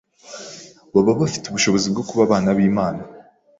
baba bafite ubushobozi bwo kuba abana b’Imana,